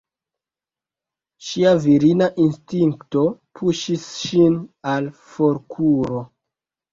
Ŝia virina instinkto puŝis ŝin al forkuro.